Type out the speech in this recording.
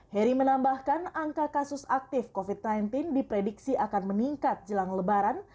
heri menambahkan angka kasus aktif covid sembilan belas diprediksi akan meningkat jelang lebaran